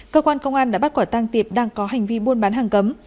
cơ quan công an đã bắt quả tăng tiệp đang có hành vi buôn bán hàng cấm